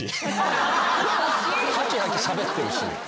ハキハキしゃべってるし。